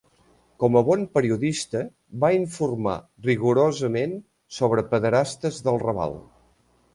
Com a bon periodista va informar rigorosament sobre pederastes del Raval.